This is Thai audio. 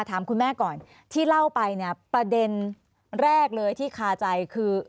ถามคุณแม่ก่อนที่เล่าไปเนี่ยประเด็นแรกเลยที่คาใจคือ